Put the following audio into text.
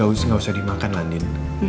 gausah gausah dimakan landin